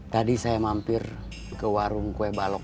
tadi saya mampir ke warung kue balok